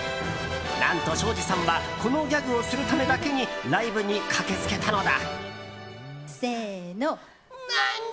何と、ショージさんはこのギャグをするためだけにライブに駆けつけたのだ。